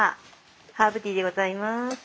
ハーブティーでございます。